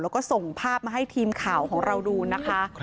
แล้วก็ส่งภาพมาให้ทีมข่าวของเราดูนะคะ